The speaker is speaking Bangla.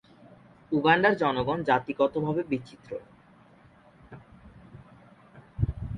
উগান্ডার জনগণ জাতিগতভাবে বিচিত্র।